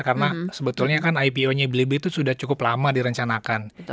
karena sebetulnya kan ipo nya blibli itu sudah cukup lama direncanakan